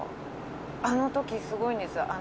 あのときすごいんです。